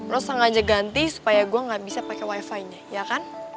lo sanggup aja ganti supaya gue gak bisa pakai wifi nya ya kan